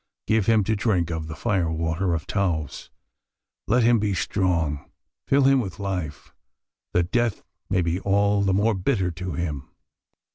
Give him to drink of the fire water of Taos! Let him be strong! Fill him with life, that death may be all the more bitter to him!"